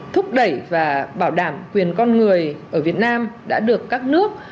thúc đẩy và bảo đảm quyền con người ở việt nam đã được các nước